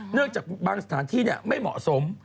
จากบางสถานที่ไม่เหมาะสม